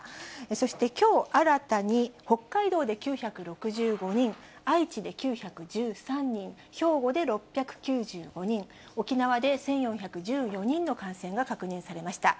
そしてきょう、新たに北海道で９６５人、愛知で９１３人、兵庫で６９５人、沖縄で１４１４人の感染が確認されました。